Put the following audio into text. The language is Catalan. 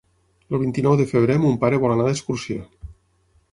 El vint-i-nou de febrer mon pare vol anar d'excursió.